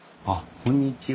こんにちは。